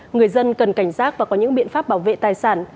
người dân cần cảnh giác và có những biện pháp bảo vệ tài sản